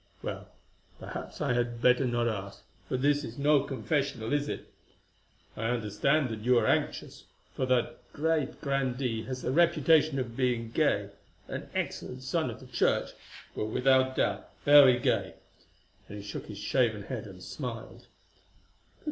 Well, perhaps I had better not ask, for this is no confessional, is it? I understand that you are anxious, for that great grandee has the reputation of being gay—an excellent son of the Church, but without doubt very gay," and he shook his shaven head and smiled.